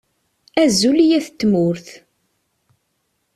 Azul i yat Tmurt!